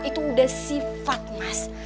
itu udah sifat mas